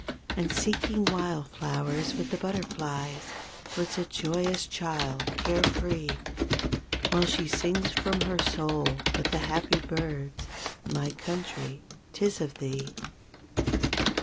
And, seeking wild flowers with the butterflies Flits a joyous child, care free; While she sings from her soul with the happy birds, "My Country 'Tis of Thee".